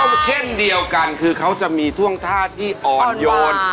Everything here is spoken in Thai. ก็เช่นเดียวกันคือเขาจะมีท่วงท่าที่อ่อนโยน